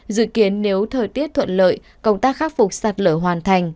dự kiến nếu thời tiết thuận lợi công tác khắc phục sạt lở hoàn thành